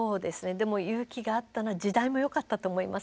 でも勇気があったな時代もよかったと思います。